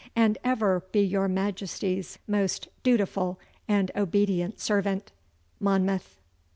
And ever be your Majesty's most dutiful and obedient servant, MONMOUTH.